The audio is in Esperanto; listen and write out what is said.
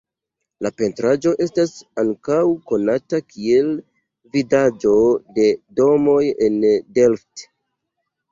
La pentraĵo estas ankaŭ konata kiel Vidaĵo de domoj en Delft.